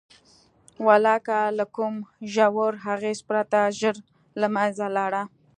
ولکه له کوم ژور اغېز پرته ژر له منځه لاړه.